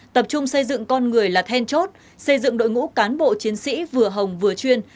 tập trung xây dựng con người là then chốt xây dựng đội ngũ cán bộ chiến sĩ vừa hồng vừa chuyên